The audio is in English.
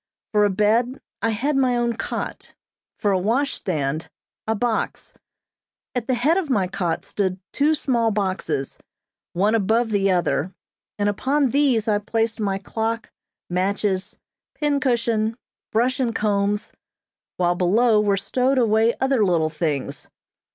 For a bed I had my own cot; for a washstand, a box. At the head of my cot stood two small boxes, one above the other, and upon these I placed my clock, matches, pincushion, brush and combs, while below were stowed away other little things.